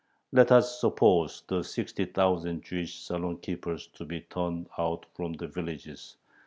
Let us suppose the sixty thousand Jewish saloon keepers to be turned out from the villages.